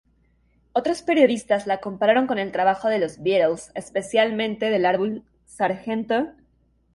Otros periodistas la compararon con el trabajo de The Beatles, especialmente del álbum "Sgt.